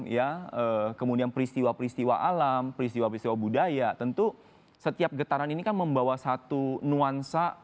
ya kemudian peristiwa peristiwa alam peristiwa peristiwa budaya tentu setiap getaran ini kan membawa satu nuansa